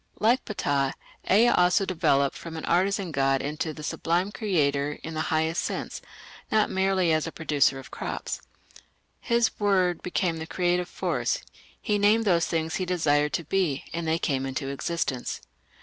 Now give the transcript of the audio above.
Like Ptah, Ea also developed from an artisan god into a sublime Creator in the highest sense, not merely as a producer of crops. His word became the creative force; he named those things he desired to be, and they came into existence.